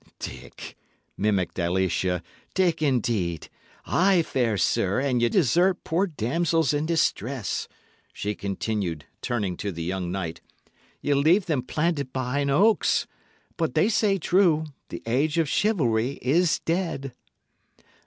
"Dick!" mimicked Alicia. "Dick, indeed! Ay, fair sir, and ye desert poor damsels in distress," she continued, turning to the young knight. "Ye leave them planted behind oaks. But they say true the age of chivalry is dead."